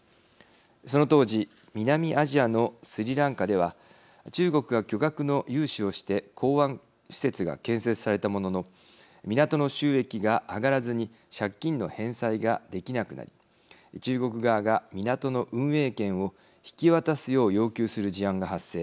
その当時南アジアのスリランカでは中国が巨額の融資をして港湾施設が建設されたものの港の収益が上がらずに借金の返済ができなくなり中国側が港の運営権を引き渡すよう要求する事案が発生。